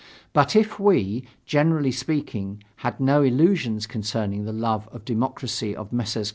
But if we, generally speaking, had no illusions concerning the love for democracy of Messrs.